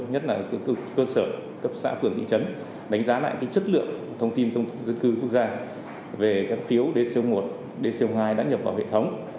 nhất là cơ sở cấp xã phường thị trấn đánh giá lại chất lượng thông tin dân cư quốc gia về các phiếu dco một dco hai đã nhập vào hệ thống